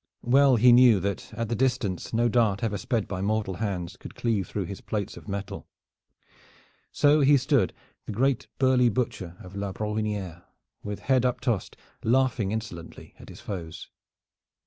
Well he knew that at the distance no dart ever sped by mortal hands could cleave through his plates of metal. So he stood, the great burly Butcher of La Brohiniere, with head uptossed, laughing insolently at his foes.